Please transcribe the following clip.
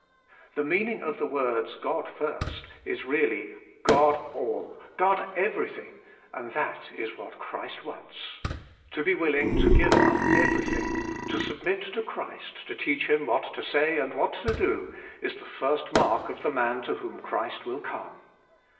The mean ing of the words, God first" is really <<God all; God everything;" and that is what Christ wants. To be willing to 20 JcOTw Himself. give up everything, to submit to Christ to teach him what to say and what to do, is the first mark of the man to whom Christ will come.